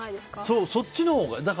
そう、そっちのほうが。